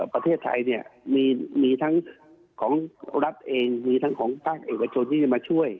ประเทศไทยเนี่ยมีทั้งของรัฐเองมีทั้งของภาคเอกชนที่จะมาช่วย